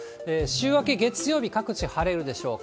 週明け月曜日、各地晴れるでしょう。